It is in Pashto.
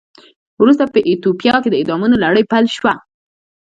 ورسته په ایتوپیا کې د اعدامونو لړۍ پیل شوه.